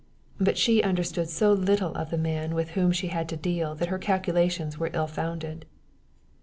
But she understood so little of the man with whom she had to deal that her calculations were ill founded.